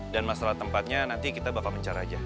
dan masalah tempatnya nanti kita bakal mencar aja